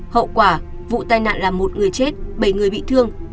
hậu quả vụ tai nạn là một người chết bảy người bị thương